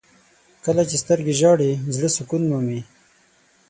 • کله چې سترګې ژاړي، زړه سکون مومي.